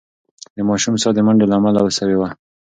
د ماشوم ساه د منډې له امله سوې وه.